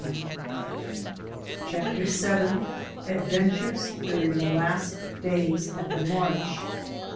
73 CHAPTER VIL ADVENTUKES DUEING THE LAST DAYS OF THE MARCH.